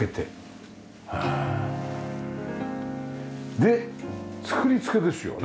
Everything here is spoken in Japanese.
で作り付けですよね？